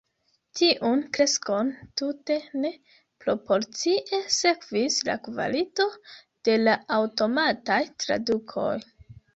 Tiun kreskon tute ne proporcie sekvis la kvalito de la aŭtomataj tradukoj.